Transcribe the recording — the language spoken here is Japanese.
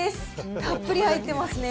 たっぷり入ってますね。